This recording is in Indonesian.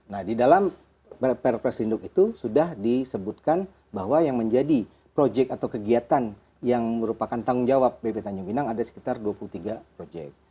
nah di dalam perpres induk itu sudah disebutkan bahwa yang menjadi proyek atau kegiatan yang merupakan tanggung jawab bp tanjung pinang ada sekitar dua puluh tiga proyek